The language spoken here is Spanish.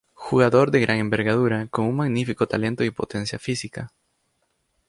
Jugador de gran envergadura, con un magnífico talento y potencia física.